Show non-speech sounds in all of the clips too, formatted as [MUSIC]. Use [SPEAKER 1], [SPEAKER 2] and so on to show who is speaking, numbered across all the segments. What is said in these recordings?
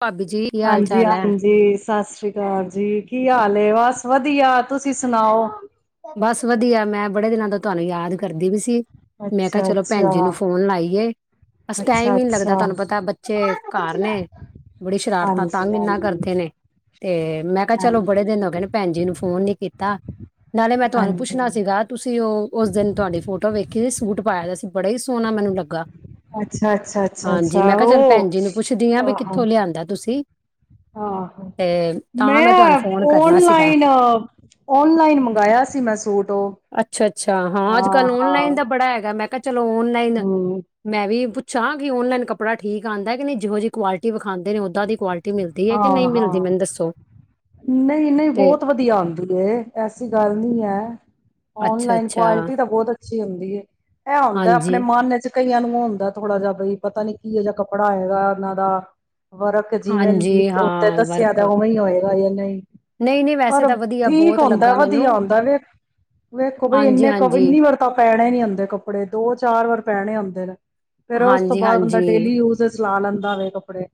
[SPEAKER 1] ਭਾਬੀ ਜੀ ਕੀ ਹਾਲ
[SPEAKER 2] ਹਾਂਜੀ
[SPEAKER 1] ਚਾਲ ਹੈ
[SPEAKER 2] ਹਾਂਜੀ। ਸਤ ਸ੍ਰੀ ਕਾਲ ਜੀ, ਕੀ ਹਾਲ ਏ ਵਾਸ ਵਧੀਆ। ਤੁਸੀਂ ਸੁਣਾਓ?
[SPEAKER 1] ਬਸ ਵਧੀਆ ਮੈਂ ਬੜੇ ਦਿਨਾਂ ਤੋਂ ਤੁਹਾਨੂੰ ਯਾਦ ਕਰਦੀ ਪੀ ਸੀ ਮੈਂ ਕਿਆ ਚਲੋ ਭੈਣ ਜੀ
[SPEAKER 2] ਅੱਛਾ-ਅੱਛਾ,
[SPEAKER 1] ਨੂੰ ਫੋਨ ਲਾਈਏ। ਅਸ ਟਾਈਮ ਈ ਨੀ ਲੱਗਦਾ
[SPEAKER 2] ਅੱਛਾ-ਅੱਛਾ,
[SPEAKER 1] ਤਾਨੂੰ ਪਤਾ ਬੱਚੇ ਘਰ ਨੇ, ਬੜੀ ਸ਼ਰਾਰਤਾਂ ਤੰਗ ਇਨਾ
[SPEAKER 2] ਹਾਂਜੀ-ਹਾਂਜੀ।
[SPEAKER 1] ਕਰਦੇ ਨੇ। ਤੇ ਮੈਂ ਕਿਆ ਚਲੋ ਬੜੇ ਦਿਨ
[SPEAKER 2] ਹਾਂਜੀ,
[SPEAKER 1] ਹੋਗੇ ਨੇ ਭੈਣ ਜੀ ਨੂੰ ਫੋਨ ਨੀ ਕੀਤਾ। ਤੇ ਮੈਂ ਤਵਾਨੂੰ
[SPEAKER 2] ਹਾਂਜੀ,
[SPEAKER 1] ਪੁੱਛਣਾ ਸੀਗਾ ਤੁਸੀਂ ਔ ਔਸ ਦੇਨ ਤੁਵਾਡੀ ਫੋਟੋ ਵੇਖੀ ਉਹਨੇ ਸੂਟ ਪਾਇਆ ਦਾ ਸੀ ਬੜਾ ਹੀ ਸੋਣਾ ਮੈਨੂੰ ਲੱਗਾ।
[SPEAKER 2] ਅੱਛਾ ਅੱਛਾ ਅੱਛਾ ਅੱਛਾ
[SPEAKER 1] ਹਾਂਜੀ
[SPEAKER 2] ਅੱਛਾ,
[SPEAKER 1] ਮੈਂ ਕਿਹਾ ਚੱਲ
[SPEAKER 2] ਔ
[SPEAKER 1] ਭੈਣ ਜੀ ਨੂੰ ਪੁੱਛਦੀ ਵੀ
[SPEAKER 2] ਅ
[SPEAKER 1] ਕਿੱਥੋਂ
[SPEAKER 2] ਹਾਂ
[SPEAKER 1] ਲਿਆਂਦਾ ਤੁਸੀਂ
[SPEAKER 2] ਆਹੋ
[SPEAKER 1] ਤੇ ਤਾਂ ਤੁਹਾਨੂੰ
[SPEAKER 2] ਮੈਂ
[SPEAKER 1] ਫੋਨ ਕਰਨਾ ਸੀਗਾ
[SPEAKER 2] ਔਨਲਾਈਨ ਔਨਲਾਈਨ ਮ
[SPEAKER 1] ਅੱਛਾ ਅੱਛਾ, ਹਾਂ ਅੱਜ ਕੱਲ ਔਨਲਾਈਨ ਦਾ
[SPEAKER 2] ਹਾਂ-ਹਾਂ,
[SPEAKER 1] ਬੜਾ ਹੈਗਾ ਮੈਂ ਕਿਆ ਚਲੋ ਔਨਲਾਈਨ
[SPEAKER 2] ਹੂੰ,
[SPEAKER 1] ਮੈਂ ਵੀ ਪੁਛ ਛਾ ਕਿ ਔਨਲਾਈਨ ਕੱਪੜਾ ਠੀਕ ਆਂਦਾ ਕਿ ਨਹੀਂ ਜਿਹੋ ਜੀ ਕੁਆਲਿਟੀ ਵਿਖਾਂਦੇ ਓਦਾਂ ਦੀ ਕੁਆਲਟ ਟੀ ਮਿਲਦੀ ਐ ਕਿ ਨਹੀਂ ਮਿਲਦੀ ਮੈਨੂੰ ਦੱਸੋ?
[SPEAKER 2] ਨਈ ਨਈ,
[SPEAKER 1] ਤੇ
[SPEAKER 2] ਬੌਤ ਵਧੀਆ ਆਂਦੀ ਏ। ਐ ਐਸੀ ਗੱਲ ਨੀ ਐ।
[SPEAKER 1] ਅੱਛਾ
[SPEAKER 2] ਔਨਲਾਈਨ
[SPEAKER 1] ਅੱਛਾ
[SPEAKER 2] ਕੁਆਲਿਟੀ ਤਾਂ ਬੌਤ ਅਛ ਅੱਛੀ ਹੁੰਦੀ ਏ। ਐ ਹੁੰਦਾ ਆਪਣੇ
[SPEAKER 1] ਹਾਂਜੀ
[SPEAKER 2] ਮਨ ਵਿਚੋਂ ਕਈਆਂ ਨੂੰ ਔ ਹੁੰਦੈ ਥੋੜਾ ਜਾ ਬਈ ਪਤਾ ਨੀ ਕਿਹੋ ਜਾ ਕੱਪੜਾ ਹੈਏਗਾ ਇਨਾਂ ਦਾ। ਵਰਕ ਜਿਵੇਂ
[SPEAKER 1] ਹਾਂਜੀ
[SPEAKER 2] ਲਿਖ ਐ ਉੱਤੇ
[SPEAKER 1] ਹਾਂ
[SPEAKER 2] ਦੱਸਿਆਂ
[SPEAKER 1] ਵਰਕ
[SPEAKER 2] ਉਵੇਂ ਈ ਹੋਏ ਓਈਓ। ਨਹੀਂ।
[SPEAKER 1] ਨਹੀਂ ਨਹੀਂ ਵੈਸੇ
[SPEAKER 2] ਪਰ
[SPEAKER 1] ਤਾਂ ਵਧੀਆ
[SPEAKER 2] ਠੀਕ
[SPEAKER 1] ਬਹੁਤ
[SPEAKER 2] ਹੁੰਦੈ
[SPEAKER 1] ਲੱਗਾ ਮੈਨੂੰ
[SPEAKER 2] ਵਧੀਆ ਹੁੰਦੈ ਵੇਖ ਵੇਖੋ ਬਈ
[SPEAKER 1] ਹਾਂਜੀ
[SPEAKER 2] ਇਨੇ ਕਵ
[SPEAKER 1] ਹਾਂਜੀ
[SPEAKER 2] ਇੰਨੀ ਵਾਰ ਤਾਂ ਪੈਣੇ ਨੀ ਹੁੰਦੇ ਕੱਪੜੇ ਦੋ ਚਾਰ ਵਾਰ ਪੈਣੇ ਹੁੰਦੇ ਫਿਰ ਫੇਰ ਔਸ ਤੋਂ
[SPEAKER 1] ਹਾਂਜੀ
[SPEAKER 2] ਬਾਅਦ ਬੰਦਾ
[SPEAKER 1] ਹਾਂਜੀ
[SPEAKER 2] ਡੇਲੀ ਯੂਜਸ ਚਲਾ ਲੈਂਦਾ ਵੇ ਕੱਪੜੇ।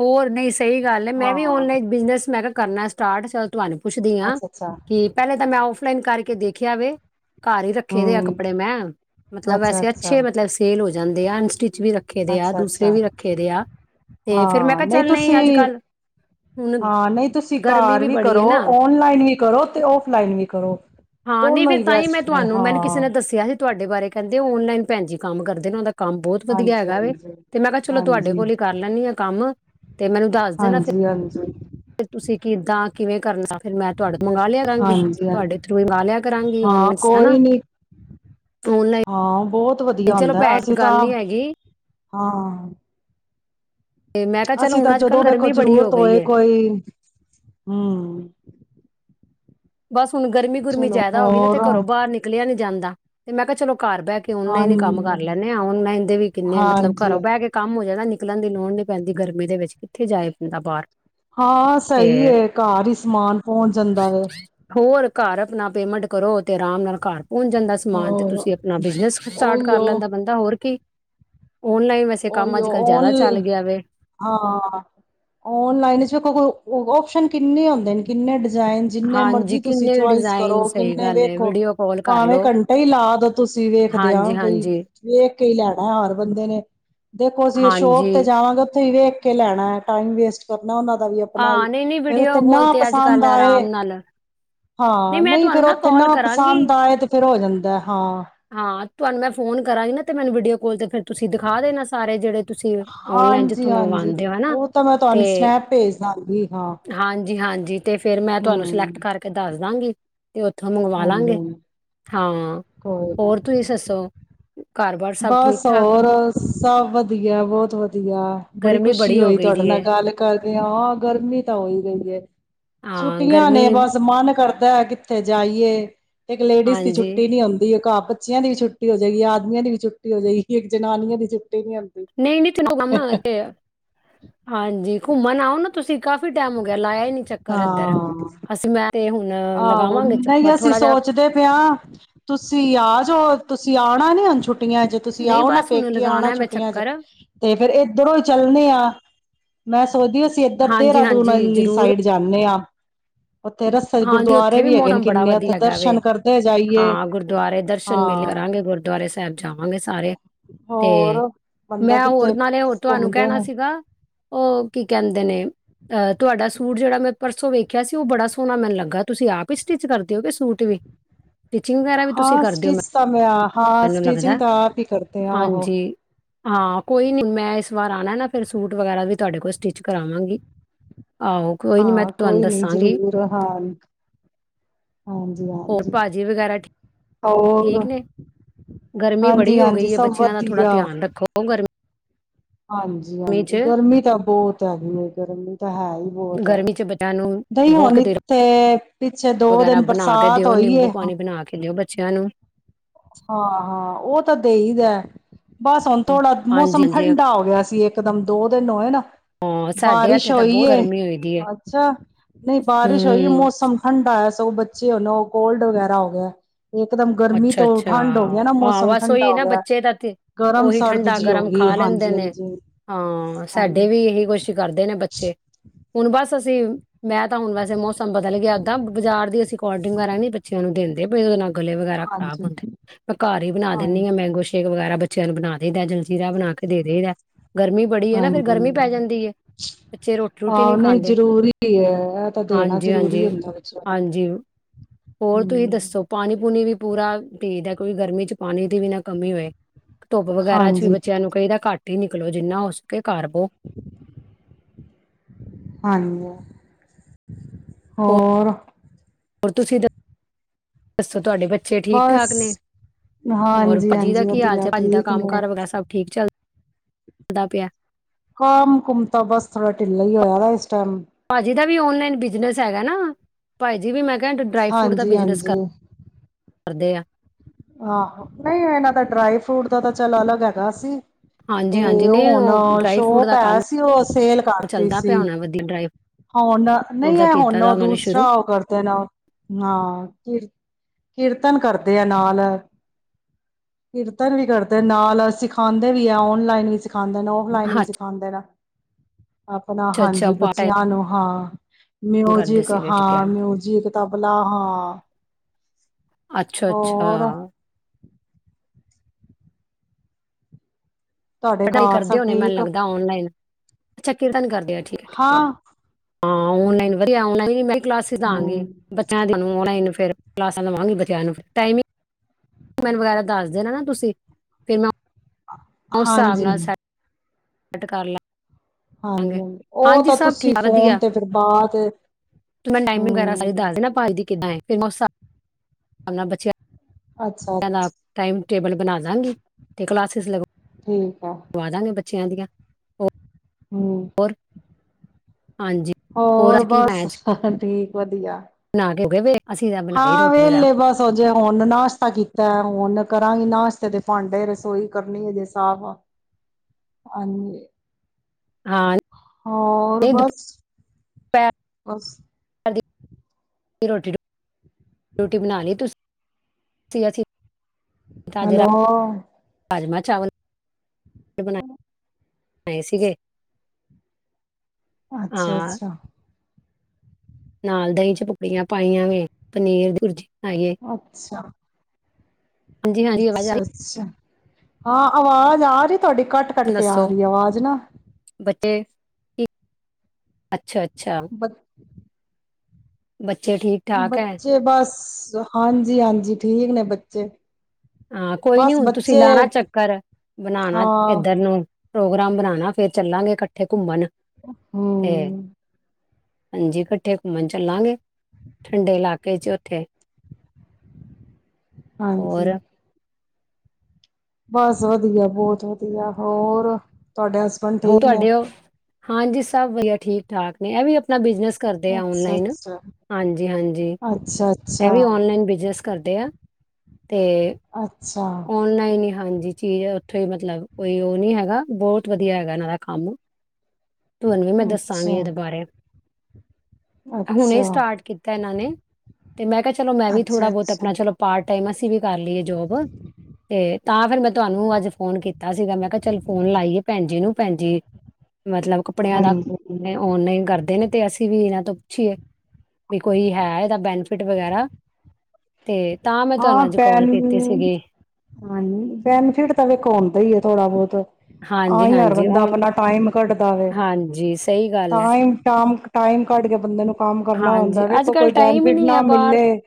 [SPEAKER 1] ਹੋਰ ਨਹੀਂ ਸਹੀ ਗੱਲ ਏ ਮੈਂ ਵੀ
[SPEAKER 2] ਹਾਂ
[SPEAKER 1] ਔਨਲਾਈਨ ਬਿਜਨਸ ਮੈਂ ਕਿਆ ਕਰਨਾ ਸ ਸਟਾਰਟ ਚੱਲ ਤੁਹਾਨੂੰ ਪੁੱਛਦੀ ਆ
[SPEAKER 2] ਅੱਛਾ ਅੱਛਾ
[SPEAKER 1] ਕਿ ਪਹਿਲੇ ਤਾਂ ਮੈਂ ਉ ਲਾਈਨ ਕਰਕੇ ਦੇਖਿਆ ਵੈ ਘਰ ਹੀ ਰੱਖੇ ਦੇ ਆ
[SPEAKER 2] ਹਮ
[SPEAKER 1] ਕੱਪੜੇ ਮੈਂ ਮਤਲਬ
[SPEAKER 2] ਅੱਛਾ
[SPEAKER 1] ਵੈਸੇ ਅੱਛੇ
[SPEAKER 2] ਅੱਛਾ
[SPEAKER 1] ਮਤਲਬ ਸੇਲ ਹੋ ਜਾ ਜਾਂਦੇ ਆ ਅਨ ਵੀ ਰੱਖੇ ਦੇ ਆ ਦੂਸਰੇ
[SPEAKER 2] ਅੱਛਾ-ਅੱਛਾ
[SPEAKER 1] ਵੀ ਰੱਖੇ ਦੇ ਆ ਤੇ ਫਿਰ ਮੈਂ
[SPEAKER 2] ਹਾਂ,
[SPEAKER 1] ਕਿਹਾ
[SPEAKER 2] ਨਹੀਂ
[SPEAKER 1] ਚੱਲ ਅੱਜ
[SPEAKER 2] ਤੁਸੀਂ
[SPEAKER 1] ਕੱਲ ਹੁਣ
[SPEAKER 2] ਹਾਂ ਨਹੀਂ ਤੁਸੀਂ
[SPEAKER 1] ਗਰਮੀ
[SPEAKER 2] ਘਰ ਵੀ
[SPEAKER 1] ਬੜੀ ਹੈ
[SPEAKER 2] ਕਰੋ।
[SPEAKER 1] ਨਾ
[SPEAKER 2] ਓਨਲਾਈਨ ਵੀ ਕਰੋ ਤੇ ਆਫਲਾਈਨ ਵੀ ਕਰੋ
[SPEAKER 1] ਹਾਂ ਨਹੀਂ
[SPEAKER 2] ਦੋਨੋ
[SPEAKER 1] ਫਿਰ
[SPEAKER 2] ਹੀ
[SPEAKER 1] ਤਾਂ ਮੈਂ
[SPEAKER 2] ਬੈਸਟ ਨੇ
[SPEAKER 1] ਤੁਹਾਨੂੰ ਮੈਨੂੰ ਕਿਸੇ
[SPEAKER 2] ਹਾਂ।
[SPEAKER 1] ਨੇ ਦੱਸਿਆ ਸੀ ਤੁਹਾਡੇ ਬਾਰੇ ਕਹਿੰਦੇ ਔਨਲਾਈਨ ਭੈਣਜੀ ਕੰਮ ਕਰਦੇ ਨੇ ਉਹ ਕੰਮ ਬਹੁਤ ਵਧੀਆ ਹੈਗਾ ਵੇ
[SPEAKER 2] ਹਾਂਜੀ-ਹਾਂਜੀ।
[SPEAKER 1] ਤੇ ਮੈਂ ਕਿਹਾ ਚਲੋ ਤੁਹਾਡੇ ਕੋਲ ਹੀ ਕਰ ਲੈਂਦੀ ਹਾਂ [INAUDIBLE]
[SPEAKER 2] ਹਾਂਜੀ ਹਾਂਜੀ।
[SPEAKER 1] ਫ਼ੇਰ ਤੁਸੀਂ ਕਿੱਦਾਂ ਕਿਵੇਂ ਕਰਨਾ। ਫਿਰ ਮੈਂ ਤੁਹਾਡੇ ਤੋਂ ਮੰਗਵਾ ਲਿਆ ਕਰਾਂਗੀ
[SPEAKER 2] ਹਾਂਜੀ-ਹਾਂਜੀ
[SPEAKER 1] ਤੁਹਾਡੇ ਥਰੂਹ ਵੀ ਮੰਗਵਾ ਲਿਆ ਕਰਾਂਗੀ [INAUDIBLE]
[SPEAKER 2] ਹਾਂ
[SPEAKER 1] ਹਨਾਂ
[SPEAKER 2] ਕੋਈ ਨੀ
[SPEAKER 1] [INAUDIBLE]
[SPEAKER 2] ਹਾਂ ਬਹੁਤ ਵਧੀਆ ਹੁੰਦਾ ਅਸੀਂ ਤਾਂ ਹਾਂ।
[SPEAKER 1] ਤੇ ਮੈਂ ਕਿਹਾ ਚਲੋ
[SPEAKER 2] ਅਸੀਂ ਤਾਂ
[SPEAKER 1] ਹੁਣ ਅੱਜ ਕੱਲ
[SPEAKER 2] ਜਦੋਂ ਵੇਖੋ
[SPEAKER 1] ਗਰਮੀ ਬੜੀ ਹੋ
[SPEAKER 2] ਜ਼ਰੂਰਤ
[SPEAKER 1] ਗਈ
[SPEAKER 2] ਹੋਏ
[SPEAKER 1] ਹੈ
[SPEAKER 2] ਕੋਈ ਹੂ
[SPEAKER 1] ਬਸ ਹੁਣ ਗਰਮੀ ਗੁਰਮੀ
[SPEAKER 2] ਚਲੋ
[SPEAKER 1] ਜ਼ਿਆਦਾ ਹੋ ਗਈ ਨਾ ਤੇ
[SPEAKER 2] ਹੋਰ
[SPEAKER 1] ਘਰੋਂ ਬਾਹਰ ਨਿਕਲਿਆ ਨਹੀਂ ਜਾਂਦਾ ਤੇ ਮੈਂ ਕਿਹਾ ਚਲੋ ਘਰ ਬਹਿ ਕੇ ਔਨਲਾਈਨ ਹੀ ਕੰਮ ਕਰ
[SPEAKER 2] ਹਾਂਜੀ।
[SPEAKER 1] ਲੈਂਦੇ ਆ ਔਨਲਾਈਨ ਦੇ ਵੀ ਕਿੰਨੇ ਮਤਲਬ
[SPEAKER 2] ਹਾਂਜੀ
[SPEAKER 1] ਘਰੋਂ ਬਹਿ ਕੇ ਕੰਮ ਹੋ ਜਾਂਦਾ ਨ ਨਕਲਾਂ ਦੀ ਲੋੜ ਨਹੀਂ ਪੈਂਦੀ ਗਰਮੀ ਦੇ ਵਿੱਚ ਕਿੱਥੇ ਜਾਏ ਬੰਦਾ ਬਾਹਰ।
[SPEAKER 2] ਹਾਂ ਸਹੀ
[SPEAKER 1] ਤੇ
[SPEAKER 2] ਹੈ ਘਰ ਹੀ ਸਮਾਨ ਪਹੁੰਚ ਜਾਂਦਾ ਵੇ
[SPEAKER 1] ਹੋਰ ਘਰ ਆਪਣਾ ਪੇਮੈਂਟ ਕਰੋ ਅਤੇ ਆਰਾਮ ਨਾਲ ਘਰ ਪਹੁੰਚ ਜਾਂਦਾ ਸਮਾਨ ਤੇ
[SPEAKER 2] ਹੋਰ
[SPEAKER 1] ਤੁਸੀਂ ਆਪਣਾ ਬਿਜਨਸ ਸਟਾਰਟ ਕਰ ਲੈਂਦਾ ਬੰਦਾ ਹੋਰ ਕੀ। ਔਨਲਾਈਨ ਵੈਸੇ ਕੰਮ ਅੱਜ ਕੱਲ੍ਹ ਜ਼ਿਆਦਾ
[SPEAKER 2] ਉਹਓਹੀ
[SPEAKER 1] ਚੱਲ ਗਿਆ ਵੇ,
[SPEAKER 2] ਹਾਂ ਔਨਲਾਈ ਚ ਕੋਈ ਓਪਸ਼ਨ ਕਿੰਨੇ ਹੁੰਂਦੇ ਨੇ ਕਿੰਨੇ ਡਿਜ਼ਾਇਨ ਜਿੰਨੇ
[SPEAKER 1] ਹਾਂਜੀ
[SPEAKER 2] ਮਰਜੀ ਤੁਸੀਂ
[SPEAKER 1] ਕਿੰਨੇ
[SPEAKER 2] ਚੁਆਇਸ ਕਰੋ
[SPEAKER 1] ਡਿਜ਼ਾਇਨ ਸਹੀ
[SPEAKER 2] ਕਿੰਨੇ
[SPEAKER 1] ਗੱਲ ਏ,
[SPEAKER 2] ਵੇਖੋ
[SPEAKER 1] ਵੀਡੀਓ ਕਾਲ ਕਰ
[SPEAKER 2] ਭਾਵੇਂ
[SPEAKER 1] ਲੋ,
[SPEAKER 2] ਘੰਟਾ ਹੀ ਲਾਦੋ ਤੁਸੀਂ ਵੇਖਦੇ ਆ ਬਈ
[SPEAKER 1] ਹਾਂਜੀ-ਹਾਂਜੀ, ਹਾਂਜੀ,
[SPEAKER 2] ਵੇਖ ਕੀ ਲੈਣਾ ਹੋਰ ਬੰਦੇ ਨੇ ਦੇਖੋ ਅਸੀਂ ਅਸ਼ੋਕ ਤੇ
[SPEAKER 1] ਹਾਂਜੀ।
[SPEAKER 2] ਜਾਵਾਂਗੇ ਤੁਸੀਂ ਵੇਖ ਕੇ ਲੈਣਾ ਟਾਈਮ ਵੇਸਟ ਕਰ ਉਹਨਾਂ ਦਾ ਵੀ ਆਪਣਾ ਵੀ
[SPEAKER 1] ਹਾਂ ਨਹੀਂ-ਨਹੀਂ
[SPEAKER 2] ਫੇਰ ਉੱਥੇ
[SPEAKER 1] ਵੀਡੀਓ ਕਾਲ
[SPEAKER 2] ਨਾ
[SPEAKER 1] ਤੇ ਅੱਜ
[SPEAKER 2] ਪਸੰਦ
[SPEAKER 1] ਕੱਲ੍ਹ
[SPEAKER 2] ਆਏ
[SPEAKER 1] ਆਰਾਮ ਨਾਲ
[SPEAKER 2] ਹਾਂ
[SPEAKER 1] ਮੈਂ
[SPEAKER 2] ਨਹੀਂ
[SPEAKER 1] ਤੁਹਾਨੂੰ
[SPEAKER 2] ਫੇਰ ਉੱਥੇ
[SPEAKER 1] ਕਾਲ
[SPEAKER 2] ਨਾ
[SPEAKER 1] ਕਰਾਂਗੀ,
[SPEAKER 2] ਪਸੰਦ ਆਏ ਤੇ ਫੇਰ ਹੋ ਜਾਂਦਾ ਹਾਂ
[SPEAKER 1] ਹਾਂ ਤੁਹਾਨੂੰ ਮੈਂ ਫੋਨ ਕਰਾਂਗੀ ਨਾ ਤੇ ਮੈਨੂੰ ਵੀਡੀਓ ਕਲ ਤੇ ਫਿਰ ਤੁਸੀਂ ਦਿਖਾ ਦੇਣਾ ਸਾਰੇ ਜਿਹੜੇ ਤੁਸੀਂ ਔਨਲਾਈਨ
[SPEAKER 2] ਹਾਂਜੀ
[SPEAKER 1] ਜਿੱਥੋਂ
[SPEAKER 2] ਹਾਂਜੀ
[SPEAKER 1] ਮੰਗਵਾਉਂਦੇ ਹੋ ਹਨਾ,
[SPEAKER 2] ਉਹ ਤਾਂ ਮੈਂ ਤੁਹਾਨੂੰ ਸਨੈਪ ਭੇਜ ਮਰ ਗਈ
[SPEAKER 1] ਹਾਂਜੀ ਹਾਂਜੀ ਤੇ ਫੇਿਰ ਮੈਂ ਤੁਹਾਨੂੰ
[SPEAKER 2] ਹਮ
[SPEAKER 1] ਸਿਲੈਕਟ ਕਰਕੇ ਦੱਸ ਦਾਂਗਿਰ ਤੇ ਉੱਥੋਂ ਮੰਗਵਾ
[SPEAKER 2] ਹਾਂਜੀ
[SPEAKER 1] ਲਾਂਗੇ
[SPEAKER 2] ਹਾਂਜੀ
[SPEAKER 1] ਹਾਂ
[SPEAKER 2] ਕੋਈ ਨਾ
[SPEAKER 1] ਹੋਰ ਤੁਸੀਂ ਦੱਸੋ ਘਰ ਬਾਰ ਸਭ ਠੀਕ
[SPEAKER 2] ਬਸ
[SPEAKER 1] ਠਾਕ?
[SPEAKER 2] ਹੋਰ ਸਭ ਵਧੀਆ ਬਹੁਤ ਵਧੀਆ ਬੜੀ
[SPEAKER 1] ਗਰਮੀ
[SPEAKER 2] ਖੁਸ਼ੀ
[SPEAKER 1] ਹੋ
[SPEAKER 2] ਹੋਈ
[SPEAKER 1] ਗਈ
[SPEAKER 2] ਤੁਹਾਡੇ
[SPEAKER 1] ਦੀ
[SPEAKER 2] ਨਾਲ
[SPEAKER 1] ਏ
[SPEAKER 2] ਗੱਲ ਕਰ ਹਾਂ ਗਰਮੀ ਤਾਂ ਹੋਈ ਗਈ ਹੈ।
[SPEAKER 1] ਹਾਂ
[SPEAKER 2] ਛੁੱਟੀਆਂ
[SPEAKER 1] ਗਰਮੀ
[SPEAKER 2] ਨੇ ਬਸ ਮਨ ਕਰ ਪਤਾ ਹੈ ਕਿੱਥੇ ਜਾਈਏ ਇੱਕ ਲੇਡੀਜ਼
[SPEAKER 1] ਹਾਂਜੀ
[SPEAKER 2] ਛੱਟੀ ਨਹੀਂ ਆਉਂਦੀ ਹੈ ਘ ਬੱਚਿਆਂ ਦੀ ਵੀ ਛੁੱਟੀ ਹੋ ਜਾਏਗੀ ਆਦਮੀਆਂ ਦੀ ਵੀ ਛੁੱਟੀ ਹੋ ਜਾਈ ਸੀ ਇੱਕ ਜਨਾਨੀਆਂ ਦੀ ਛੁੱਟੀ ਨੀ ਹੁੰਦੀ
[SPEAKER 1] ਨਹੀਂ ਨਹੀਂ ਤੈਨੂੰ ਹਾਂਜੀ ਘੁੰਮਣ ਆਓ ਨਾ ਤੁਸੀਂ ਕਾਫੀ ਟੈਮ ਗਿਆ ਲਾਇਆ ਹੀ ਨੀ ਚੱਕਰ ਇੱਧਰ
[SPEAKER 2] ਹਾਂ
[SPEAKER 1] ਅਸੀਂ ਮੈਂ ਤੇ ਹੁਣ
[SPEAKER 2] ਆਹੋ
[SPEAKER 1] ਲਗਾਵਾਂਗੇ ਚੱਕਰ
[SPEAKER 2] ਨਹੀਂ ਅਸੀਂ
[SPEAKER 1] ਥੋੜਾ ਜਿਹਾ
[SPEAKER 2] ਸੋਚਦੇ ਪਏ ਆ ਤੁਸੀਂ ਆ ਜਾਓ ਤੁਸੀਂ ਆਣਾ ਨ ਹੁਣ ਛੁੱਟੀ ਛੁੱਟੀਆਂ ਚ ਤੁਸੀਂ
[SPEAKER 1] ਨਹੀਂ
[SPEAKER 2] ਆਓ ਨਾ
[SPEAKER 1] ਬਸ ਹੁਣ
[SPEAKER 2] ਪੇਕ ਕੇ
[SPEAKER 1] ਲਗਾਣਾ
[SPEAKER 2] ਆਣਾ
[SPEAKER 1] ਹੈ ਮੈਂ
[SPEAKER 2] ਛੁੱਟੀਆਂ ਚ
[SPEAKER 1] ਚੱਕਰ
[SPEAKER 2] ਤੇ ਫੇਰ ਇੱਧਰੋਂ ਹੀ ਚੱਲੇ ਆ ਮੈਂ ਸੋਚਦੀ ਅਸੀਂ ਇੱਧਰ
[SPEAKER 1] ਹਾਂਜੀ
[SPEAKER 2] ਦੇਹਰਾਦੂਨ
[SPEAKER 1] ਹਾਂਜੀ
[SPEAKER 2] ਆਲੀ
[SPEAKER 1] ਜ਼ਰੂਰ
[SPEAKER 2] ਸਾਈਡ ਜਾਂਦੇ ਹਾਂ। ਉੱਥੇ ਰਸਤੇ
[SPEAKER 1] ਹਾਂਜੀ
[SPEAKER 2] ਗੁਰਦੁਆਰੇ
[SPEAKER 1] ਉੱਥੇ ਵੀ
[SPEAKER 2] ਹੈਗੇ ਨੇ
[SPEAKER 1] ਮੌਸਮ ਬੜਾ
[SPEAKER 2] ਕਿੰਨੇ ਉੱਥੇ
[SPEAKER 1] ਵਧੀਆ ਹੈਗਾ ਵੇ
[SPEAKER 2] ਦਰਸ਼ਨ ਕਰਦੇ ਜਾਈਏ
[SPEAKER 1] ਹਾਂ ਗੁਰਦੁਆਰੇ ਦਰਸ਼ਨ ਮਿਲ
[SPEAKER 2] ਹਾਂ
[SPEAKER 1] ਕਰਾਂਗੇ ਗੁਰਦੁਆਰੇ ਸਾਹਿਬ ਜਾਵਾਂਗੇ ਸਾਰੇ ਤੇ
[SPEAKER 2] ਹੋਰ ਬੰਦਾ
[SPEAKER 1] ਮੈਂ ਹੋਰ
[SPEAKER 2] ਕਿੱਥੇ
[SPEAKER 1] ਨਾਲੇ ਹੋਰ ਤੁਹਾਨੂੰ
[SPEAKER 2] ਘੁੰਮਦਾ
[SPEAKER 1] ਕਹਿਣਾ
[SPEAKER 2] ਹੈ
[SPEAKER 1] ਸੀਗਾ ਉਹ ਕੀ ਕਹਿੰਦੇ ਨੇ ਅਹ ਤੁਹਾਡਾ ਸੂਟ ਜਿਹੜਾ ਮੈਂ ਪਰਸੋਂ ਵੇਖਿਆ ਸੀ ਉਹ ਬੜਾ ਸੋਹਣਾ ਸੋਹਣਾ ਮੈਨੂੰ ਲੱਗਾ ਤੁਸੀਂ ਆਪ ਹੀ ਸਟਿੱਚ ਕਰਦੇ ਓ ਸੂਟ ਵੀ। ਸਟਿਚਿੰਗ ਵਗੈਰਾ ਵੀ ਤੁਸੀਂ
[SPEAKER 2] ਹਾਂ
[SPEAKER 1] ਕਰਦੇ ਹੋ
[SPEAKER 2] ਸਟੀਚ ਤਾਂ ਮੈ ਆਪ ਹਾਂ
[SPEAKER 1] ਮੈਨੂੰ
[SPEAKER 2] ਸਟੀਚਿੰਗ
[SPEAKER 1] ਲੱਗਦਾ
[SPEAKER 2] ਤਾਂ ਆਪ ਹੀ ਕਰਦੇ ਆਹੋ।
[SPEAKER 1] ਹਾਂਜੀ ਹਾਂ ਕੋਈ ਨੀ ਮੈਂ ਇਸ ਵਾਰ ਆਣਾ ਨਾ ਫਿਰ ਸੂਟ ਵਗੈਰਾ ਵੀ ਤੁਹਾਡੇ ਕੋਲ ਸਟਿਚ ਕਰਾਵਾਂਗੀ। ਆਹੋ ਕੋਈ ਨਹੀਂ ਮੈਂ
[SPEAKER 2] ਹਾਂ
[SPEAKER 1] ਤੁਹਾਨੂੰ
[SPEAKER 2] ਕੋਈ ਨੀ
[SPEAKER 1] ਦੱਸਾਂਗੀ
[SPEAKER 2] ਜ਼ਰੂਰ ਹਾਲ ਹਾਂਜੀ
[SPEAKER 1] ਹੋਰ
[SPEAKER 2] ਹਾਂਜੀ
[SPEAKER 1] ਭਾਜੀ ਵਗੈਰਾ ਠੀ-
[SPEAKER 2] ਹੋਰ
[SPEAKER 1] ਠੀਕ ਨੇ ਗਰਮੀ
[SPEAKER 2] ਹਾਂਜੀ
[SPEAKER 1] ਬੜੀ ਹੋ
[SPEAKER 2] ਹਾਂਜੀ
[SPEAKER 1] ਗਈ ਹੈ
[SPEAKER 2] ਸਭ
[SPEAKER 1] ਬੱਚਿਆਂ ਦਾ ਥੋੜਾ
[SPEAKER 2] ਵਧੀਆ
[SPEAKER 1] ਧਿਆਨ ਰੱਖੋ। ਗਰਮੀ
[SPEAKER 2] ਹਾਂਜੀ ਹਾਂਜੀ
[SPEAKER 1] 'ਚ
[SPEAKER 2] ਗਰਮੀ ਤਾਂ ਬਹੁਤ [INAUDIBLE] ਤਾਂ ਹੈ ਹੀ ਬਹੁਤ
[SPEAKER 1] ਗਰਮੀ 'ਚ ਬੱਚਿਆਂ ਨੂੰ
[SPEAKER 2] ਨਹੀ
[SPEAKER 1] ਗੋਂਦ
[SPEAKER 2] ਹੁਣ
[SPEAKER 1] ਕਤੀਰਾ
[SPEAKER 2] ਇੱਥੇ ਪਿੱਛੇ ਦੋ
[SPEAKER 1] ਵਗੈਰਾ
[SPEAKER 2] ਦਿਨ ਬਰਸਾਤ ਹੋਈ ਏ।
[SPEAKER 1] ਬਚਿਆ ਨੂੰ
[SPEAKER 2] ਹਾਂ ਉਹ ਤਾਂ ਦੇਈਦਾ ਬਸ ਹੁਣ ਥੋੜਾ
[SPEAKER 1] ਹਾਂਜੀ
[SPEAKER 2] ਮੌਸਮ
[SPEAKER 1] ਹਾਂਜੀ
[SPEAKER 2] ਠੰਡਾ ਹੋ ਗਿਆ ਸੀ ਇਕ ਦਮ ਦੋ ਦਿਨ ਹੋਏ ਨਾ
[SPEAKER 1] ਹਾਂ ਸਾਡੇ
[SPEAKER 2] ਬਾਰਿਸ਼
[SPEAKER 1] ਇੱਥੇ ਤਾਂ ਬਹੁਤ
[SPEAKER 2] ਹੋਈਏ
[SPEAKER 1] ਗਰਮੀ ਹੋਈ ਦੀ ਹੈ
[SPEAKER 2] ਅੱਛਾ ਨਹੀਂ ਬਾਰਿਸ਼ ਹੋਈਏ
[SPEAKER 1] ਹਮ
[SPEAKER 2] ਮੌਸਮ ਠੰਡਾ ਬੱਚੇ ਉਹਨਾਂ ਨੂੰ ਕੋਲਡ ਵਗੈਰਾ ਹੋ ਗਿਆ ਇੱਕਦਮ ਗਰਮੀ ਤੋਂ
[SPEAKER 1] ਆ
[SPEAKER 2] ਠੰਡ ਹੋ ਗਿਆ ਨਾ
[SPEAKER 1] ਹਾਂ
[SPEAKER 2] ਮੌਸਮ
[SPEAKER 1] ਬਸ
[SPEAKER 2] ਠੰਡਾ
[SPEAKER 1] ਉਹੀ
[SPEAKER 2] ਹੋ
[SPEAKER 1] ਨਾ
[SPEAKER 2] ਗਿਆ
[SPEAKER 1] ਬੱਚੇ ਤਾਂ
[SPEAKER 2] ਗਰਮ
[SPEAKER 1] ਉਹੀ
[SPEAKER 2] ਸਰਦ
[SPEAKER 1] ਠੰਡਾ
[SPEAKER 2] ਜਿਹੀ ਹੋ
[SPEAKER 1] ਗਰਮ
[SPEAKER 2] ਗਈ
[SPEAKER 1] ਖਾ ਲੈਂਦੇ
[SPEAKER 2] ਹਾਂਜੀ
[SPEAKER 1] ਨੇ
[SPEAKER 2] ਹਾਂਜੀ
[SPEAKER 1] ਹਾਂ
[SPEAKER 2] ਹਾਂਜੀ,
[SPEAKER 1] ਸਾਡੇ ਵੀ ਇਹੀ ਕੁਸ਼ ਕਰਦੇ ਨੇ ਬੱਚੇ। ਹੁਣ ਬਸ ਅਸੀਂ ਮੈਂ ਤਾਂ ਹੁਣ ਵੈਸੇ ਕੋਲਡ ਡਰਿੰਕ ਵਗੈਰਾ ਮੌਸਮ ਬਦਲ ਗਿਆ ਏਦਾਂ ਬਾਜ਼ਾਰ ਦੀ ਅਸੀ ਨੀ ਬੱਚਿਆਂ ਨੂੰ ਦਿੰਦੇ ਵੀ ਉਹਦੇ ਨਾਲ ਗਲੇ।
[SPEAKER 2] ਹਾਂਜੀ,
[SPEAKER 1] ਖਰਾਬ ਹੁੰਦਾ ਮੈਂ ਘਰ ਹੀ ਬਣਾ ਦਿੰਦੀ ਹਾਂ ਮੈਂਗੋ ਸ਼ੇਕ ਵਗੈਰ ਬੱਚੇ ਬਣਾ ਦੇ ਦਾ ਜਲਸੀਰਾ ਬਣਾ ਕੇ ਦੇ ਦੀ ਦਾ ਏ
[SPEAKER 2] ਹਾਂਜੀ
[SPEAKER 1] ਬੱਚੇ ਰੋਟੀ ਰੋਟੀ
[SPEAKER 2] ਹਾ
[SPEAKER 1] ਨਹੀਂ
[SPEAKER 2] ਉਹਨੇ
[SPEAKER 1] ਖਾਂਦੇ
[SPEAKER 2] ਜ਼ਰੂਰੀ ਹੈ ਤਾਂ ਦੇਣਾ
[SPEAKER 1] ਹਾਂਜੀ
[SPEAKER 2] ਜ਼ਰੂਰੀ
[SPEAKER 1] ਹਾਂਜੀ
[SPEAKER 2] ਹੁੰਦਾ ਬੱਚਿਆਂ
[SPEAKER 1] ਹਾਂਜੀ
[SPEAKER 2] ਨੂੰ
[SPEAKER 1] ਹੋਰ ਤੁਸੀਂ
[SPEAKER 2] ਹੂੰ,
[SPEAKER 1] ਦੱਸੋ ਪਾਣੀ ਪਾਣੀ ਵੀ ਪੂਰਾ ਦਈਦਾ ਹੈ ਕਿਉਕਿ ਗਰਮੀ ਚ ਪਾਣੀ ਦੀ ਵੀ ਨਾ ਕਮੀ ਹੋਏ ਧੁੱਪ ਵਗੈਰਾ ਚ ਵੀ
[SPEAKER 2] ਹਾਂਜੀ,
[SPEAKER 1] ਬੱਚਿਆਂ ਨੂੰ ਕਹਿੰਦਾ ਘੱਟ ਘੱਟ ਹੈ ਨਿਕਲੋ ਜਿਨ੍ਹਾਂ ਹੋ ਸਕੇ ਘਰ ਬੈਠੋ
[SPEAKER 2] ਹੈਲੋ ਹੋਰ
[SPEAKER 1] ਹੋਰ ਤੁਸੀਂ ਦੱਸੋ ਤੁਹਾਡੇ ਬੱਚੇ ਬੱਚੇ ਠੀਕ
[SPEAKER 2] ਬਸ
[SPEAKER 1] ਠਾਕ ਨੇ ਹੋਰ
[SPEAKER 2] ਹਾਂਜੀ,
[SPEAKER 1] ਭਾਜੀ ਦਾ
[SPEAKER 2] ਹਾਂਜੀ
[SPEAKER 1] ਕੀ ਹਾਲ ਚ
[SPEAKER 2] ਵਧੀਆ
[SPEAKER 1] ਭਾਜੀ ਦਾ
[SPEAKER 2] ਠੀਕ
[SPEAKER 1] ਕੰਮ
[SPEAKER 2] ਨੇ।
[SPEAKER 1] ਕਾਰ ਵਗੈਰਾ ਸਭ ਠੀਕ ਚੱਲਦਾ ਖਾਂਦਾ ਪਿਆ
[SPEAKER 2] ਕੰਮ ਕੁੁੰਮ ਤਾਂ ਬਸ ਥੋੜਾ ਢਿੱਲਾ ਹੋਇਆ ਪਿਆ ਸ ਤਾਮ [INAUDIBLE]
[SPEAKER 1] ਭਾਜੀ ਦਾ ਵੀ ਔਨਲਾਈਨ ਬਿਜਨਸ ਹੈਗਾ ਨਾ ਭਾਾਈ ਜੀ ਵੀ ਮੈਂ ਘੰਟ ਡਰਾਈ ਫਰੂਟ ਦਾ
[SPEAKER 2] ਹਾਂਜੀ,
[SPEAKER 1] ਬਿਜ਼ਨਸ
[SPEAKER 2] ਹਾਂਜੀ
[SPEAKER 1] ਕਰ ਕਰਦੇ ਆ
[SPEAKER 2] ਆਹੋ ਨਹੀਂ ਇਹਨਾਂ ਦਾ ਡਰਾਈ ਫਰੂਟ ਦਾ ਤਾਂ ਚੱਲ ਅਲੱਗ ਹੈਗਾ ਸੀ ਤੇ
[SPEAKER 1] ਹਾਂਜੀ ਹਾਂਜੀ
[SPEAKER 2] ਉਹ
[SPEAKER 1] ਨਹੀਂ
[SPEAKER 2] ਹੁਣ
[SPEAKER 1] ਡਰਾਈ ਫਰੂਟ
[SPEAKER 2] ਸ਼ੋਪ
[SPEAKER 1] ਦਾ
[SPEAKER 2] ਹੈ
[SPEAKER 1] ਕੰਮ
[SPEAKER 2] ਸੀ ਉਹ ਸੇਲ ਕਰਤੀ
[SPEAKER 1] ਚੱਲਦਾ ਪਿਆ
[SPEAKER 2] ਸੀ
[SPEAKER 1] ਹੋਣਾ ਵਧੀਆ ਡਰਾਈ
[SPEAKER 2] ਹੁਣ
[SPEAKER 1] ਫਰੂਟ
[SPEAKER 2] ਨਹੀਂ
[SPEAKER 1] ਦਾ
[SPEAKER 2] ਹੈ
[SPEAKER 1] ਕੀਤਾ
[SPEAKER 2] ਹੁਣ
[SPEAKER 1] ਦਾ
[SPEAKER 2] ਉਹ
[SPEAKER 1] ਉਹਨਾਂ ਨੇ ਸ਼ੁਰੂ
[SPEAKER 2] ਦੂਸਰਾ ਉਹ ਕਰਦੇ ਨੇ ਹਾਂ ਕਿ ਕੀਰਤਨ ਕਰਦੇ ਆ ਨਾਲ ਕੀਰਤਨ ਵੀ ਕਰਦੇ ਨਾਲ ਸਿਖਾਉਂਦੇ ਵੀ ਆ ਔਨਲਾਈਨ ਵੀ ਸਿਖ ਸਿਖਾਂਦੇ ਨੇ ਔਫਲਾਈਨ ਵੀ
[SPEAKER 1] ਅੱਛਾ
[SPEAKER 2] ਸਿਖਾਉਂਦੇ ਨੇ ਆਪਣਾ
[SPEAKER 1] ਅੱਛਾ
[SPEAKER 2] ਹਾਂਜੀ
[SPEAKER 1] ਪਾਰਟ ਟਾਈਮ
[SPEAKER 2] ਸਾਨੂੰ ਹਾਂ
[SPEAKER 1] ਕਰਦੇ
[SPEAKER 2] ਮਿਊਜਿਕ
[SPEAKER 1] ਸੀਗੇ ਠੀਕ ਹੈ
[SPEAKER 2] ਹਾਂ ਮਿਊਜਿਕ ਤਬਲਾ ਹਾਂ ਹਾਂ
[SPEAKER 1] ਅੱਛਾ ਅੱਛਾ
[SPEAKER 2] ਹੋਰ ਤੁਹਾਡੇ
[SPEAKER 1] ਪੜ੍ਹਾਈ
[SPEAKER 2] ਘਰ
[SPEAKER 1] ਕਰਦੇ
[SPEAKER 2] ਸਭ
[SPEAKER 1] ਹੋਣੇ ਮੈਨੂੰ
[SPEAKER 2] ਠੀਕ
[SPEAKER 1] ਲੱਗਦਾ ਔਨਲਾਈਨ ਅੱਛਾ ਕੀਰਤਨ ਕਰ ਏ ਠੀਕ ਹੈ, ਠੀਕ ਹੈ।
[SPEAKER 2] ਹਾਂ
[SPEAKER 1] ਹਾਂ ਔਨਲਾਈਨ ਵਧੀਆਈ ਮਿਲ [UNINTELLIGIBLE] ਕਲਾਸਿਿਸ ਆ
[SPEAKER 2] ਹਮ
[SPEAKER 1] ਗ ਬੱਚਿਆਂ ਦੀ ਲਾਈਨ ਫਿਰ ਕਲਾਸਾਂ ਲਵਾਂਗੀ, ਬੱਚਿਆਂ ਨੂੰ ਟਾਈਮਿੰਗ ਮੈਨੂੰ ਵਗੈਰਾ, ਦੱਸ ਦੇਣਾ ਨਾ ਤੁਸੀਂ ਫਿਰ, ਮੈਂ ਉਸ ਹਿਸਾਬ
[SPEAKER 2] ਹਾਂਜੀ
[SPEAKER 1] ਨਾਲ ਸੈਟ [UNINTELLIGIBLE] ਕਰ ਲੈ
[SPEAKER 2] ਹਾਂਜੀ, ਹਾਂਜੀ ਉਹ ਤਾਂ ਤੁਸੀਂ
[SPEAKER 1] ਠੀਕ
[SPEAKER 2] ਫੋਨ
[SPEAKER 1] ਵਧੀਆ
[SPEAKER 2] ਤੇ ਫਿਰ ਬਾਅਦ ਹਮ
[SPEAKER 1] ਕਿਦਾਂ ਏ, ਕਿ ਫਿਰ ਮਸ ਨਾਲ ਬਚਿਆ
[SPEAKER 2] ਅੱਛਾ ਅੱਛਾ
[SPEAKER 1] ਟੇਬਲ ਬਣਾ ਦਾਗ਼ੀ ਤੇ ਕਲਾਸਿਸ ਲਗਵਾ
[SPEAKER 2] ਹਮ
[SPEAKER 1] ਦਾਂਗੇ ਬੱਚਿਆਂ ਦੀਆਂ ਉਹ
[SPEAKER 2] ਹਮ
[SPEAKER 1] ਹਾਂਜੀ
[SPEAKER 2] ਹੋਰ
[SPEAKER 1] ਅੱਜ ਕੀ
[SPEAKER 2] ਬਸ
[SPEAKER 1] ਬਣਾਇਆ
[SPEAKER 2] ਠੀਕ ਵਧੀਆ
[SPEAKER 1] ਹੋਗੇ ਜੇ
[SPEAKER 2] ਹਾਂ ਵੇਹਲੇ ਬਸ ਅਜੇ ਹੁਣ ਨਾਸ਼ਤਾ ਕੀਤਾ ਹੁਣ ਕਰਾਂਗੀ। ਨਾਸ਼ਤੇ ਤੇ ਭਾਂਡੇ ਰਸੋਈ ਕਰਨੀ, ਅਜੇ ਸਾਫ਼ ਆ ਹਾਂਜੀ
[SPEAKER 1] ਹਾਂ
[SPEAKER 2] ਹੋਰ
[SPEAKER 1] ਨਹੀਂ
[SPEAKER 2] ਬਸ ਬਸ
[SPEAKER 1] ਦੀ ਰੋਟੀਤੁਕ, ਰੋਟੀ ਬਣਾ ਲਈ ਤੁ ਅਸੀਂ
[SPEAKER 2] ਹੈਲੋ
[SPEAKER 1] ਰਾਜਮਾਂ ਚਾਵਲ
[SPEAKER 2] ਹਮ
[SPEAKER 1] ਆਏ ਸੀਗੇ
[SPEAKER 2] ਅੱਛਾ
[SPEAKER 1] ਹਾਂ
[SPEAKER 2] ਅੱਛਾ
[SPEAKER 1] ਨਾਲ ਦਹੀਂ ਚ ਪਕੌੜੀਆਂ ਪਾਈਆਂ ਵੇ ਪਨੀਰ ਪੁਰਜੀ
[SPEAKER 2] ਅੱਛਾ
[SPEAKER 1] ਹਾਂਜੀ ਹਾਂਜੀ ਆਵਾਜ਼ ਆ
[SPEAKER 2] ਅੱਛਾ ਅੱਛਾ ਹਾਂ ਆਵਾਜ਼ ਆ ਰਹੀ ਤੁਹਾਡੀ ਕੱਟ ਕੱਟ
[SPEAKER 1] ਰਹੀ
[SPEAKER 2] ਕੇ ਆ
[SPEAKER 1] ਦੱਸੋ
[SPEAKER 2] ਰਹੀ ਆਵਾਜ਼ ਨਾ
[SPEAKER 1] ਬੱਚੇ ਕੀ ਐਚ ਅੱਛਾ ਅੱਛਾ
[SPEAKER 2] ਬ
[SPEAKER 1] ਬੱਚੇ ਠੀਕ ਠਾਕ ਹੈ
[SPEAKER 2] ਬੱਚੇ ਬਸ ਹਾਂਜੀ-ਹਾਂਜੀ, ਠੀਕ ਨੇ ਬੱਚੇ।
[SPEAKER 1] ਹਾਂ ਕੋਈ ਨੀ
[SPEAKER 2] ਬਸ
[SPEAKER 1] ਹੁਣ ਤੁਸੀਂ
[SPEAKER 2] ਬੱਚੇ
[SPEAKER 1] ਲਾਣਾ ਚੱਕਰ, ਬਣਾਣਾ
[SPEAKER 2] ਹਾਂ
[SPEAKER 1] ਇੱਧਰ ਨੂੰ। ਪ੍ਰੋਗਰਾਮ ਬਨਾਨਾ ਫੇਰ ਚੱਲਾਂਗੇ ਇਕੱਠੇ ਘੁੰਮਣ। ਤੇ
[SPEAKER 2] ਹਮ
[SPEAKER 1] ਹਾਂਜੀ ਇਕੱਠੇ ਘੁੰਮਣ ਚੱਲਾਂਗੇ, ਠੰਡੇ ਇਲਾਕੇ ਚ ਉੱਥੇ। ਹੋਰ
[SPEAKER 2] ਹਾਂਜੀ। ਬਸ ਵਧੀਆ, ਬਹੁਤ ਵਧੀਆ, ਹੋਰ ਤੁਹਾਡੇ ਹਸਬੈਂਡ
[SPEAKER 1] ਹੋਰ
[SPEAKER 2] ਠੀਕ ਨੇ
[SPEAKER 1] ਤੁਹਾਡੇ ਉਹ ਹਾਂਜੀ, ਸਭ ਵਧੀਆ ਠੀਕ ਠਾਕ ਨੇ ਇਹ ਵੀ ਆਪਣਾ ਬਿਜਨਸ ਕਰਦੇ ਆ
[SPEAKER 2] ਅੱਛਾ
[SPEAKER 1] ਔਨਲਾਈਨ,
[SPEAKER 2] ਅੱਛਾ
[SPEAKER 1] ਹਾਂਜੀ-ਹਾਂਜੀ।
[SPEAKER 2] ਅੱਛਾ
[SPEAKER 1] ਇਹ
[SPEAKER 2] ਅੱਛਾ
[SPEAKER 1] ਵੀ ਔਨਲਾਈਨ ਬਿਜ ਕਰਦੇ ਆ। ਤੇ
[SPEAKER 2] ਅੱਛਾ
[SPEAKER 1] ਔਨਲਾਈਨ ਹੀ ਹਾਂਜੀ, ਚੀ ਹ ਉੱਥੇ ਹੀ ਮਤਲਬ ਕੋਈ ਉਹ ਨੀ ਹੈਗਾ, ਬਹੁਤ ਵਧੀਆ ਹੈਗਾ ਇਹਨਾਂ ਦਾ ਕੰਮ। ਤੁਹਾਨੂੰ ਵੀ ਮੈਂ ਦੱਸਾਂਗੀ
[SPEAKER 2] ਅੱਛਾ
[SPEAKER 1] ਇਹਦੇ ਬਾਰੇ। ਹੁਣੇ
[SPEAKER 2] ਅੱਛਾ
[SPEAKER 1] ਸਟਾਰਟ ਕੀਤਾ ਇਹਨਾਂ ਨੇ, ਤੇ ਮੈਂ ਕਿਹਾ ਚਲੋ ਮੈਂ ਵੀ ਥੋੜ੍ਹਾ
[SPEAKER 2] ਅੱਛਾ
[SPEAKER 1] ਬਹੁਤ
[SPEAKER 2] ਅੱਛਾ
[SPEAKER 1] ਆਪਣਾ ਚਲੋ ਪਾਰਟ ਟਾਈਮ ਅਸੀਂ ਵੀ ਕਰ ਲਈਏ ਜੋਬ ਤੇ ਤਾਂ ਫੇਰ ਮੈਂ ਤੁਹਾਨੂੰ ਅੱਜ ਫੋਨ ਕੀਤਾ ਸੀਗਾ, ਮੈਂ ਕਿਹਾ ਚੱਲ ਫੋਨ ਲਾਈਏ ਭੈਣ ਜੀ ਨੂੰ, ਭੈਣ ਜੀ। ਮਤਲਬ ਕੱਪੜਿਆਂ ਦਾ
[SPEAKER 2] ਹਾਂਜੀ
[SPEAKER 1] ਔਨਲਾਈਨ ਕਰਦੇ ਨੇ ਤੇ ਅਸੀਂ ਵੀ ਇੰਨਾ ਤੋਂ ਪੁੱਛੀਏ, ਵੀ ਕੋਈ ਹੈ ਇਹਦਾ ਬੈਨੀਫਿਟ ਵਗੈਰਾ? ਤੇ ਤਾਂ ਮੈਂ
[SPEAKER 2] ਹਾਂ,
[SPEAKER 1] ਤੁਹਾਨੂੰ ਅੱਜ ਕਾਲ ਕੀਤੀ
[SPEAKER 2] ਬੈਨੀ
[SPEAKER 1] ਸੀਗੀ।
[SPEAKER 2] ਹਾਂ ਬੈਨਫਿਟ ਤਾਂ ਵੇਖੋ ਹੋਂਦਾ ਹੀ ਹੈ ਥੋੜਾ ਬਹੁਤ ਆ
[SPEAKER 1] ਹਾਂਜੀ
[SPEAKER 2] ਹੀ ਹਰ
[SPEAKER 1] ਹਾਂਜੀ
[SPEAKER 2] ਬੰਦਾ
[SPEAKER 1] ਹੁਣ
[SPEAKER 2] ਆਪਣਾ ਟਾਈਮ ਘੱਟਦਾ ਵੇ।
[SPEAKER 1] ਹਾਂਜੀ, ਸਹੀ ਗੱਲ ਹੈ।
[SPEAKER 2] ਟਾਈਮ ਟਾਮ ਟਾਈਮ ਕੱਢ ਕੇ ਬੰਦੇ ਨੂੰ ਕੰਮ ਕਰਨਾ
[SPEAKER 1] ਹਾਂਜੀ
[SPEAKER 2] ਹੁੰਦਾ
[SPEAKER 1] ਅੱਜ
[SPEAKER 2] ਵੇਖੋ ਕੋਈ
[SPEAKER 1] ਕੱਲ ਟਾਈਮ ਹੀ
[SPEAKER 2] ਬੈਨੀਫਿਟ
[SPEAKER 1] ਨਹੀਂ ਹੈ
[SPEAKER 2] ਨਾ
[SPEAKER 1] ਬਾਹਰ
[SPEAKER 2] ਮਿਲੇ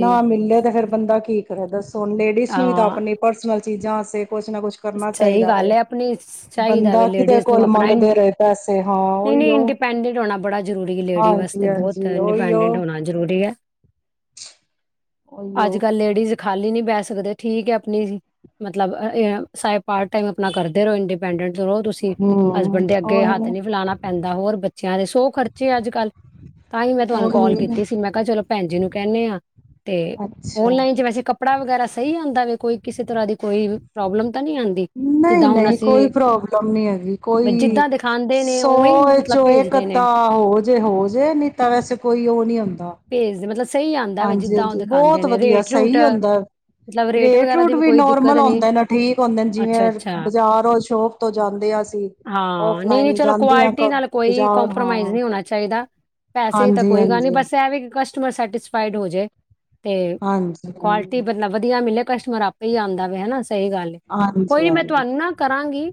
[SPEAKER 2] ਨਾ ਮ ਫੇਰ ਬੰਦਾ ਕੀ ਕਰੇ ਦੱਸ ਹੁਣ ਲੇਡੀਜ਼ ਨੂੰ ਵੀ ਤਾਂ
[SPEAKER 1] ਹਾਂ
[SPEAKER 2] ਆਪਣੀ ਪਰਸਨਲ ਚੀਜ਼ਾਂ ਆਸੇ ਕੁਛ ਨਾ ਕੁਛ ਕਰਨਾ
[SPEAKER 1] ਸਹੀ
[SPEAKER 2] ਚਾਹੀਦਾ ਵੇ
[SPEAKER 1] ਗੱਲ ਹੈ ਅਪਣੀ ਚਾਹੀਦਾ
[SPEAKER 2] ਬੰਦਾ
[SPEAKER 1] ਵੇ
[SPEAKER 2] ਕਿਦੇ
[SPEAKER 1] ਲੇਡੀਜ਼ ਨੂੰ
[SPEAKER 2] ਕੋਲ
[SPEAKER 1] ਆਪਣਾ
[SPEAKER 2] ਮੰਗਦੇ ਰਹੇ ਪੈਸੇ ਹਾਂ
[SPEAKER 1] ਨਹੀਂ ਨਹੀਂ
[SPEAKER 2] ਉਹੀਓ
[SPEAKER 1] ਇੰਡੀਪੈਂਡੈਂਟ ਹੋਣਾ ਬੜਾ ਜ਼ਰੂਰੀ ਹੈ ਲੇਡੀਜ਼ ਵਸਤੇ
[SPEAKER 2] ਹਾਂਜੀ
[SPEAKER 1] ਬਹੁਤ
[SPEAKER 2] ਹਾਂਜੀ ਉਹੀਓ
[SPEAKER 1] ਇੰਡੀਪੈਂਡੈਂਟ ਹੋਣਾ ਜ਼ਰੂਰੀ ਐ ਅੱਜ
[SPEAKER 2] ਉਹੀਓ
[SPEAKER 1] ਕੱਲ ਲੇਡੀਜ਼ ਖਾਲੀ ਨੀ ਬਹਿ ਸਕਦੇ ਠੀਕ ਹੈ ਆਪਣੀ ਮਤਲਬ ਏ ਇਹ ਸਾਹਿਬ ਪਾਰਟ ਟਾਈਮ ਆਪਣਾ ਕਰਦੇ ਰਹੋ ਇੰਡੀਪੈਂਡੈਂਟ ਰੋ ਤੁਸੀਂ
[SPEAKER 2] ਹੂੰ
[SPEAKER 1] ਹਸਬੈਂਡ ਦੇ ਅੱਗੇ ਹੱਥ
[SPEAKER 2] ਉਹੀ
[SPEAKER 1] ਨੀ ਫੈਲਾਉਣਾ ਪੈਂਦਾ ਹੋਰ ਬ ਚਿਆ ਦੇ ਸੌ ਖਰਚੇ ਅੱਜ ਕੱਲ੍ਹ ਤਾਂ ਹੀ ਮੈਂ ਤੁਹਾਨੂੰ ਕਾੱਲ
[SPEAKER 2] ਉਹੀ
[SPEAKER 1] ਕੀਤੀ ਸੀ ਮੈਂ ਕਿਹਾ ਚਲੋ ਭੈਣ ਜੀ ਨੂੰ ਕਹਿਨੇ ਆ ਤੇ
[SPEAKER 2] ਅੱਛਾ
[SPEAKER 1] ਓਨਲਾਈਨ ਚ ਵੈਸੇ ਕੱਪੜਾ ਵਗੈਰਾ ਸਹੀ ਆਉਦਾ ਵੇ ਕੋਈ ਕਿਸੇ ਤਰ੍ਹਾਂ ਦੀ ਕੋਈ ਪ੍ਰੋਬਲਮ ਤਾਂ ਨਹੀਂ ਆਂਦੀ
[SPEAKER 2] ਨਹੀਂ
[SPEAKER 1] ਜਿੱਦਾਂ ਹੁਣ
[SPEAKER 2] ਨਹੀਂ ਕੋਈ
[SPEAKER 1] ਅਸੀਂ
[SPEAKER 2] ਪ੍ਰੋਬਲਮ ਨੀ ਹੈਗੀ ਕੋਈ
[SPEAKER 1] ਜਿੱਦਾਂ ਦਿਖਾਂਦੇ ਨੇ ਉਵੇਂ ਹੀ
[SPEAKER 2] ਸੌਏ
[SPEAKER 1] ਮਤਲਬ
[SPEAKER 2] ਚੋਏ
[SPEAKER 1] ਭੇਜਦੇ ਨੇ
[SPEAKER 2] ਕੱਤਾ ਹੋ ਜੇ ਹੋ ਜੇ ਨਹੀਂ ਤਾਂ ਵੈਸੇ ਕੋਈ ਉਹ ਨਹੀਂੀ ਹੁੰਦਾ
[SPEAKER 1] ਭੇਜਦੇ ਮਤਲਬ ਸਹੀ ਆਂਦਾ ਵੇ
[SPEAKER 2] ਹਾਂਜੀ
[SPEAKER 1] ਜਿੱਦਾਂ ਉਹ
[SPEAKER 2] ਹਾਂਜੀ
[SPEAKER 1] ਦਿਖਾਂਦੇ
[SPEAKER 2] ਬਹੁਤ
[SPEAKER 1] ਨੇ
[SPEAKER 2] ਵਧੀਆ
[SPEAKER 1] ਰੇਟ ਰੂਟ
[SPEAKER 2] ਸਹੀ ਹੁੰਦੈ
[SPEAKER 1] ਮਤਲਬ
[SPEAKER 2] ਰੇਟ
[SPEAKER 1] ਵਗੈਰਾ ਦੀ
[SPEAKER 2] ਰੂਟ ਵੀ
[SPEAKER 1] ਕੋਈ ਦਿੱਕਤ
[SPEAKER 2] ਨੋਰਮਲ
[SPEAKER 1] ਨਹੀਂ
[SPEAKER 2] ਆਉਂਦਾ ਨਾ ਠੀਕ ਹੋਦੇ
[SPEAKER 1] ਅੱਛਾ
[SPEAKER 2] ਜਿਵੇਂ
[SPEAKER 1] ਅੱਛਾ
[SPEAKER 2] ਬਜ਼ਾਰ ਓਰ ਸ਼ੋਪ ਤੋਂ ਜਾਂਦੇ ਆ ਅਸੀਂ
[SPEAKER 1] ਹਾਂ ਨਹੀਂ ਨਹੀਂ
[SPEAKER 2] ਓਫਲਾਈਨ
[SPEAKER 1] ਚਲੋ
[SPEAKER 2] ਜਾਂਦੇ ਹਾ
[SPEAKER 1] ਕੁਆਲਿਟੀ ਨਾਲ ਕੋਈ
[SPEAKER 2] ਬਜ਼ਾਰ
[SPEAKER 1] ਕੰਪਰੋਮਾਈਜ਼
[SPEAKER 2] ਹਾਂ
[SPEAKER 1] ਨਹੀਂ ਹੋਣਾ ਚਾਹੀਦਾ ਪੈਸੇ ਤਾਂ
[SPEAKER 2] ਹਾਂਜੀ
[SPEAKER 1] ਕੋਈ ਗੱਲ ਨਹੀਂ
[SPEAKER 2] ਹਾਂਜੀ
[SPEAKER 1] ਬਸ ਇਹ ਵੀ ਕਿ ਕਸਟਮਰ ਸੈਟਿਸਫਾਈਡ ਹੋ ਜੇ ਤੇ
[SPEAKER 2] ਹਾਂਜੀ
[SPEAKER 1] ਕੁਆਲਿਟੀ
[SPEAKER 2] ਹਾਂਜੀ
[SPEAKER 1] ਬ ਵਧੀਆ ਮਿਲੇ। ਕਸਟਮਰ ਆਪੇ ਹੀ ਆਉਂਦਾ ਪਿਆ ਹਨਾ ਸਹੀ ਗੱਲ ਏ। ਕੋਈ ਮੈਂ
[SPEAKER 2] ਹਾਂਜੀ
[SPEAKER 1] ਤੁਹਾਨੂੰ ਨਾ ਕਰਾਂਗੀ।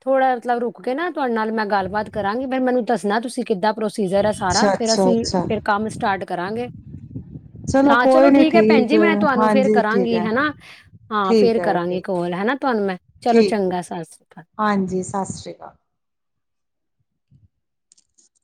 [SPEAKER 1] ਥੋੜਾ ਜਿਹਾ ਰੁਕ ਕੇ ਨਾ। ਤੁਹਾਡੇ ਨਾਲ ਮੈਂ ਗੱਲਬਾਤ ਕਰਾਂਗੀ ਫੇ ਮੈਨੂੰ ਦੱਸਣਾ ਤੁਸੀਂ ਕਿੱਦਾਂ। ਪ੍ਰੋਸੀਜਰ ਹੈ ਸਾਰਾ
[SPEAKER 2] ਅੱਛਾ
[SPEAKER 1] ਫੇਰ
[SPEAKER 2] ਅੱਛਾ
[SPEAKER 1] ਅਸੀਂ
[SPEAKER 2] ਅੱਛਾ
[SPEAKER 1] ਫਿਰ ਕੰਮ ਸਟਾਰਟ ਕਰਾਂਗੇ ਹਾਂ
[SPEAKER 2] ਕੋਈ
[SPEAKER 1] ਚਲੋ
[SPEAKER 2] ਨੀ
[SPEAKER 1] ਠੀਕ ਹੈ ਭੈਣ ਜੀ ਮੈਂ ਤੁਹਾਨੂੰ ਫਿਰ
[SPEAKER 2] ਹਾਂਜੀ ਠੀਕ
[SPEAKER 1] ਕਰਾਂਗੀ
[SPEAKER 2] ਹੈ
[SPEAKER 1] ਹੈਨਾ ਹਾਂ
[SPEAKER 2] ਠੀਕ
[SPEAKER 1] ਫੇਰ
[SPEAKER 2] ਹੈ
[SPEAKER 1] ਕਰਾਂਗੇ ਕੋਲ। ਤੁਹਾਨੂੰ ਮੈਂ ਚਲੋ
[SPEAKER 2] ਠੀਕ
[SPEAKER 1] ਚੰਗਾ ਸਤਿ ਸ੍ਰੀ ਅਕਾਲ
[SPEAKER 2] ਹਾਂਜੀ ਸਤਿ ਸ਼੍ਰੀ ਅਕਾਲ